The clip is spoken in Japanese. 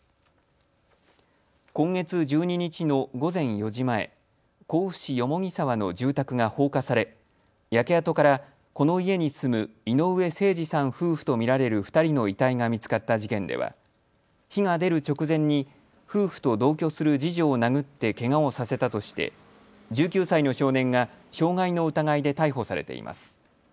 今月１２日の午前４時前、甲府市蓬沢の住宅が放火され、焼け跡から、この家に住む井上盛司さん夫婦と見られる２人の遺体が見つかった事件では火が出る直前に夫婦と同居する次女を殴ってけがをさせたとして１９歳の少年が傷害の疑いで逮捕されています。